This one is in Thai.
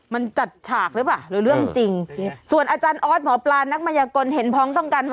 มันจัดฉากหรือเปล่าหรือเรื่องจริงส่วนอาจารย์ออสหมอปลานักมัยกลเห็นพ้องต้องกัน